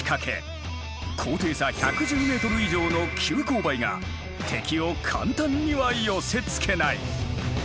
高低差１１０ｍ以上の急勾配が敵を簡単には寄せつけない。